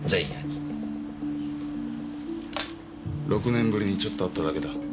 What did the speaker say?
６年ぶりにちょっと会っただけだ。